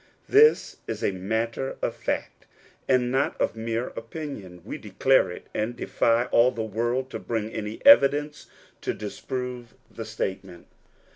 This is a matter of fact, and not a mere opinion. We declare it, and defy all the world to bring any evidence to disprove the statement.